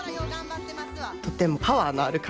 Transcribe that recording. とてもパワーのある感じ。